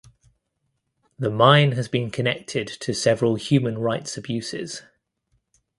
The mine has been connected to several human rights abuses.